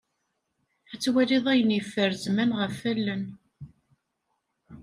Ad twaliḍ ayen yeffer zzman ɣef wallen.